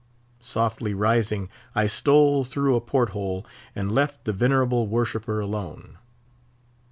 Softly rising, I stole through a port hole, and left the venerable worshipper alone.